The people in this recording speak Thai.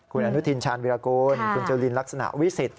คุณอนุทินชาญวิรากูลคุณจุลินลักษณะวิสิทธิ